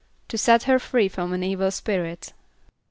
=To set her free from an evil spirit.